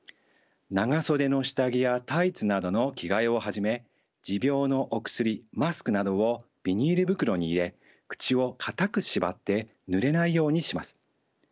長袖の下着やタイツなどの着替えをはじめ持病のお薬マスクなどをビニール袋に入れ口を固く縛ってぬれないようにします。